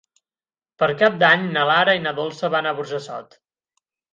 Per Cap d'Any na Lara i na Dolça van a Burjassot.